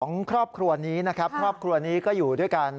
ครอบครัวนี้นะครับครอบครัวนี้ก็อยู่ด้วยกัน